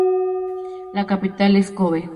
La capital es Kōbe.